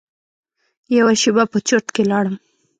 یوه شېبه په چرت کې لاړم.